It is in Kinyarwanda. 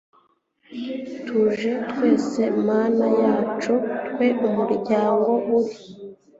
tuje twese, mana yacu, twe umuryango uri